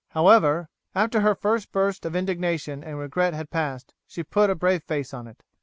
However, after her first burst of indignation and regret had passed, she put a brave face on it.